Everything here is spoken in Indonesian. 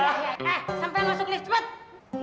hei sampein masuk lift cepet